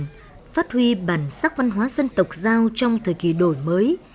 bảo tồn phát huy bản sắc văn hóa dân tộc giao trong thời kỳ đổi mới